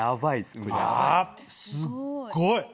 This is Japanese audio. すっごい！